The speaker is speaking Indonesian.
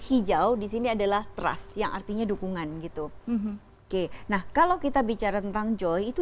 hijau disini adalah trust yang artinya dukungan gitu oke nah kalau kita bicara tentang joy itu